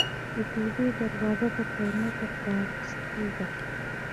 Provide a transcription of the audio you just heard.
د توبې دروازه تر قیامته پرانستې ده.